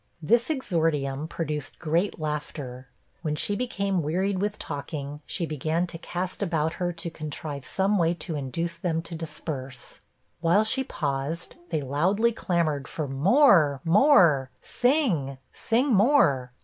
This exordium produced great laughter. When she became wearied with talking, she began to cast about her to contrive some way to induce them to disperse. While she paused, they loudly clamored for 'more,' 'more,' 'sing,' 'sing more.'